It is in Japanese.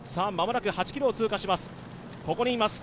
間もなく８ｋｍを通過します。